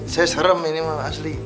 saya serem ini memang asli